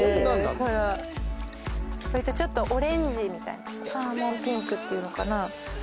これはちょっとオレンジみたいなサーモンピンクっていうのかな